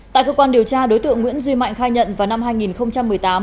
tại cơ quan điều tra đối tượng nguyễn duy mạnh khai nhận vào năm hai nghìn một mươi tám